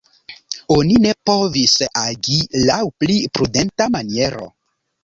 Oni ne povis agi laŭ pli prudenta maniero.